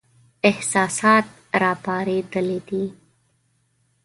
احساسات را پارېدلي دي.